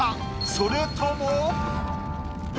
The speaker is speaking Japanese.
それとも？